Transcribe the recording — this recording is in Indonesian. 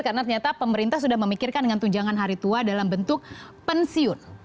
karena ternyata pemerintah sudah memikirkan dengan tunjangan hari tua dalam bentuk pensiun